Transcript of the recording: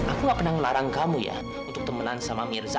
aku gak pernah ngelarang kamu ya untuk temenan sama mirza